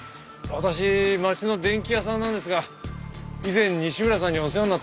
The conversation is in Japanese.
私町の電器屋さんなんですが以前西浦さんにお世話になったんです。